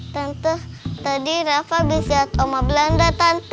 tante tadi rafa besiat oma belanda tante